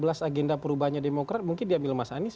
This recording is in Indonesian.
ya empat belas agenda perubahannya demokrat mungkin diambil mas anies